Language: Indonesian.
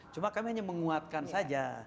cuma kami hanya menguatkan saja